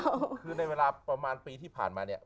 คือในเวลาประมาณปีที่ผ่านมาเนี่ย